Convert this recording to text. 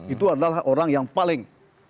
itu adalah orang yang paling